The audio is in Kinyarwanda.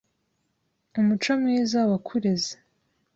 Umuco mwiza wa kureze,